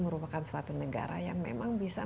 merupakan suatu negara yang memang bisa